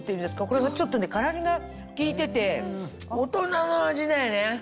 これがちょっと辛みが効いてて大人の味だよね。